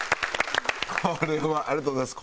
これはありがとうございます。